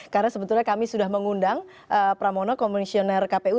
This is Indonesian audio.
karena sebetulnya kami sudah mengundang pramono komunisioner kpu